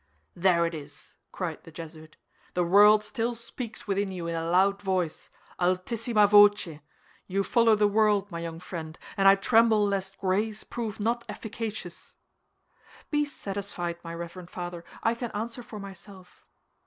"There it is," cried the Jesuit; "the world still speaks within you in a loud voice, altisimâ voce. You follow the world, my young friend, and I tremble lest grace prove not efficacious." "Be satisfied, my reverend father, I can answer for myself."